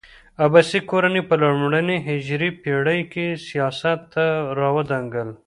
عباسي کورنۍ په لومړنۍ هجري پېړۍ کې سیاست ته راوړانګل.